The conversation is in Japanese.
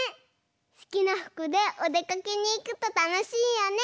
すきなふくでおでかけにいくとたのしいよね。